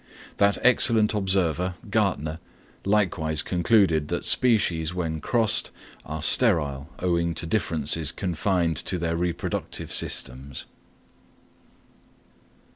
That excellent observer, Gärtner, likewise concluded that species when crossed are sterile owing to differences confined to their reproductive systems.